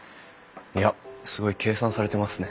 いやすごい計算されてますね。